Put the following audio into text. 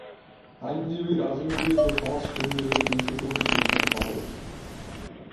আইনজীবী, রাজনীতিবিদ ও সমাজসেবী হিসেবেও তিনি সুপ্রতিষ্ঠিত ছিলেন বাংলাদেশে।